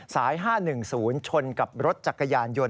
สาย๕๑๐ชนกับรถจักรยานยนต